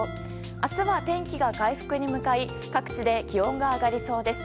明日は天気が回復に向かい各地で気温が上がりそうです。